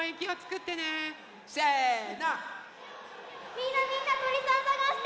みんなみんなとりさんさがして！